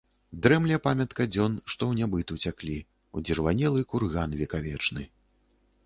Дрэмле памятка дзен, што ў нябыт уцяклі, — ўдзірванелы курган векавечны.